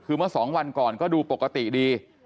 คือเมื่อสองวันก่อนก็ดูปกติดี